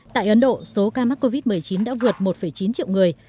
tại ấn độ số ca mắc covid một mươi chín đã vượt một chín triệu người